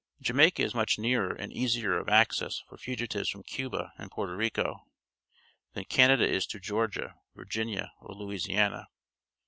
"Jamaica is much nearer and easier of access for fugitives from Cuba and Porto Rico, than Canada is to Georgia, Virginia, or Louisiana.